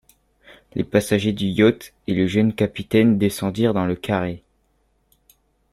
Les passagers du yacht et le jeune capitaine descendirent dans le carré.